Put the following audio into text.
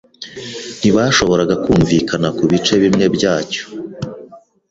Ntibashoboraga kumvikana kubice bimwe byacyo.